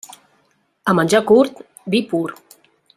A menjar curt, vi pur.